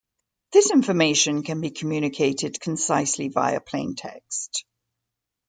This information can be communicated concisely via plaintext.